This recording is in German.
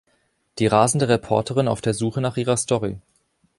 Die rasende Reporterin auf der Suche nach ihrer Story.